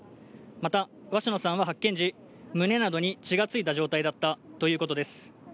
また鷲野さんは発見時、胸などに血がついた状態だったということです。